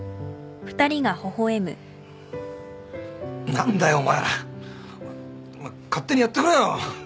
何だよお前ら勝手にやってくれよ。